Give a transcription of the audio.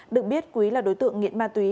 được biết quý là đối tượng nghiện ma túy